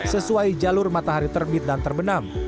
sesuai jalur matahari terbit dan terbenam